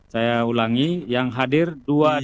saya ulangi yang hadir dua dan tiga